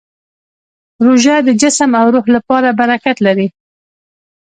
روژه د جسم او روح لپاره برکت لري.